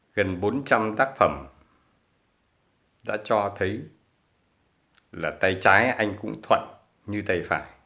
gần bốn trăm linh tác phẩm đã cho thấy là tay trái anh cũng thuận như tay phải